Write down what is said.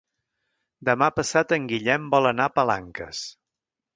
Demà passat en Guillem vol anar a Palanques.